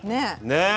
ねえ。